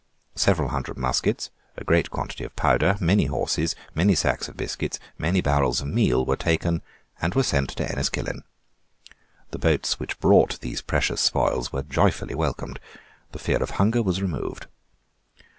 Seven hundred muskets, a great quantity of powder, many horses, many sacks of biscuits, many barrels of meal, were taken, and were sent to Enniskillen. The boats which brought these precious spoils were joyfully welcomed. The fear of hunger was removed.